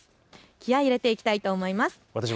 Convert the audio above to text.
気合いを入れていきたいと思います。